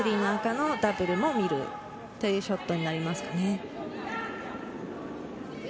そのダブルも見るというショットになります。